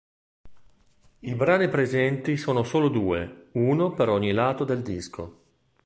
I brani presenti sono solo due, uno per ogni lato del disco.